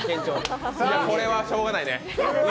これはしょうがないね。